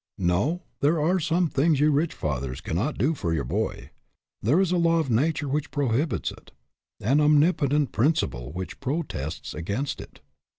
No, there are some things you rich fathers cannot do for your boy. There is a law of nature which prohibits it, an omnipotent prin ciple which protests against it.